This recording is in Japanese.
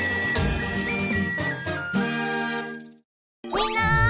みんな！